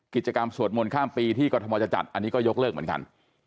กิจกรรมสวดมนต์ข้ามปีที่กรทมจะจัดอันนี้ก็ยกเลิกเหมือนกัน